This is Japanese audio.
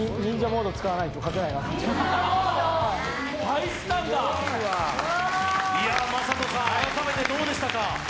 魔裟斗さん、改めてどうでしたか？